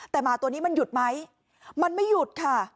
แต่หมาตัวนี้มันหยุดไหมมันไม่หยุดค่ะ